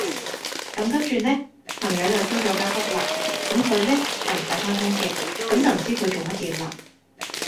咁跟住呢，朋友就租咗間屋啦，咁佢呢，就唔使返工嘅，咁就唔知佢做乜嘢啦